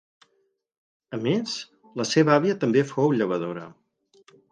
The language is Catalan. A més, la seva àvia també fou llevadora.